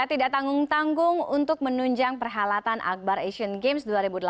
tidak tanggung tanggung untuk menunjang perhelatan akbar asian games dua ribu delapan belas